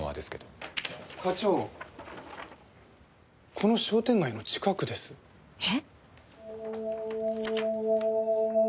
この商店街の近くです。え？